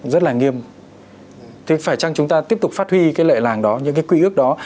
rất là nghiêm thì phải chăng chúng ta tiếp tục phát huy cái lệ làng đó những cái quy ước đó